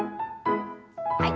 はい。